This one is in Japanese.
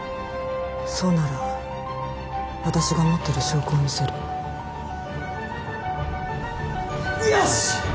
そうなら私が持ってる証拠を見せるよし！